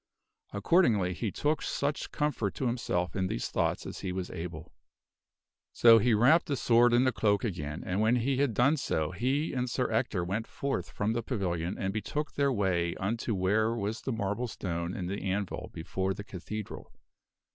Accordingly he took such comfort to himself in these thoughts as he was able. So he wrapped the sword in the cloak again, and when he had done so he and Sir Ector went forth from the pavilion and betook their way unto where was the marble stone and the anvil before the cathedral.